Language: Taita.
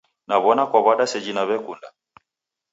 Naw'ona kwaw'ada seji naw'ekunda.